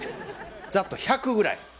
ざっと１００ぐらい。